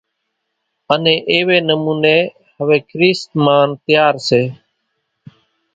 انين ايوي نموني ھوي ڪريست مانَ تيار سي۔